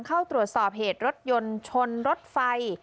เข้าตรวจสอบเหตุรถยนต์ชนรถไฟ